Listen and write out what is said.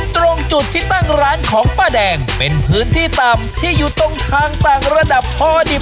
ตรงจุดที่ตั้งร้านของป้าแดงเป็นพื้นที่ต่ำที่อยู่ตรงทางต่างระดับพอดิบ